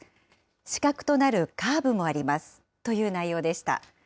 死角となるカーブもあります、という内容でした。